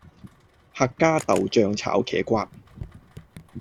客家豆酱炒茄瓜